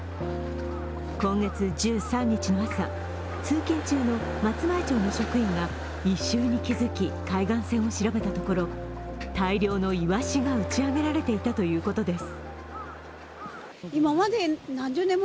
今月１３日の朝、通勤中の松前町の職員が異臭に気づき、海岸線を調べたところ大量のいわしが打ち上げられていたということです。